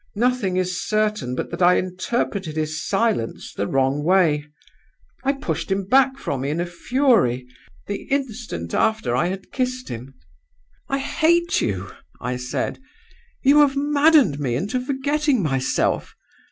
Nothing is certain but that I interpreted his silence the wrong way. I pushed him back from me in a fury the instant after I had kissed him. 'I hate you!' I said. 'You have maddened me into forgetting myself.